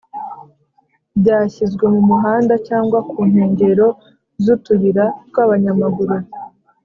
byashyizwe mu muhanda cyangwa ku nkengero z'utuyira tw'abanyamaguru